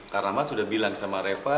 karena mas udah bilang sama reva